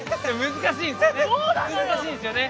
難しいですよね！